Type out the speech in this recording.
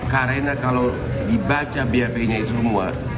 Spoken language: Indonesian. karena kalau dibaca bap nya itu semua